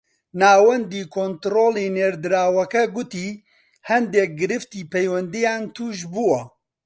ناوەندی کۆنتڕۆڵی نێردراوەکە گوتی هەندێک گرفتی پەیوەندییان تووش بووە